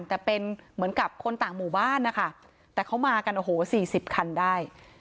แต่เป็นเหมือนกับคนต่างหมู่บ้านนะคะแต่เขามากันโอ้โหสี่สิบคันได้